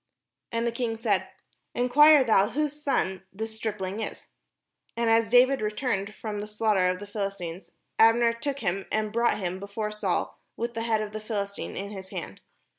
And the king said: "Enquire thou whose son the stripling is." And as David returned from the slaugh ter of the Philistine, Abner took him, and brought him before Saul, with the head of the Philistine in his hand.